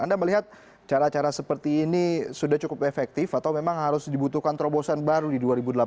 anda melihat cara cara seperti ini sudah cukup efektif atau memang harus dibutuhkan terobosan baru di dua ribu delapan belas